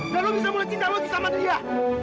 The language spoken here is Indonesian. dan lu bisa mulai cinta lu lagi sama dia